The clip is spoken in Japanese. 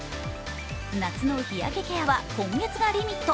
夏の日焼けケアは今月がリミット。